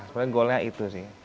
soalnya goalnya itu sih